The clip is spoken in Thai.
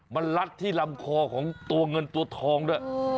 มันลัดที่ลำคอของตัวเงินตัวทองด้วย